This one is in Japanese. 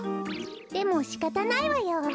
でもしかたないわよ。